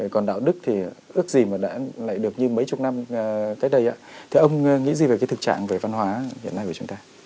còn đạo đức thì ước gì mà đã lại được như mấy chục năm tới đây thì ông nghĩ gì về cái thực trạng về văn hóa hiện nay của chúng ta